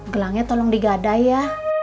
gelangnya tolong digadai ya